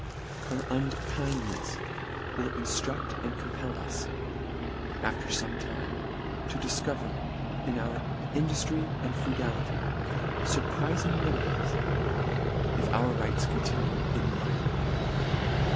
Her unkindnefs will inftruct and compel us, af ter fome time, to difcover, in our induftry and frugality, furpriling remedies — if our rights continue inviolated.